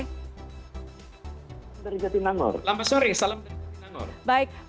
selamat sore salam dari jatinangor